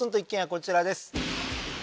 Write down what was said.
こちらです